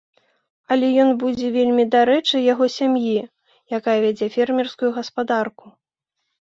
Але ён будзе вельмі дарэчы яго сям'і, якая вядзе фермерскую гаспадарку.